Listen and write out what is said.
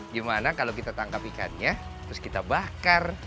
gimana kalau kita tangkap ikannya terus kita bakar